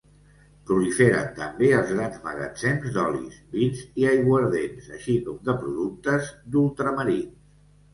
Proliferen també els grans magatzems d'olis, vins i aiguardents, així com de productes d'ultramarins.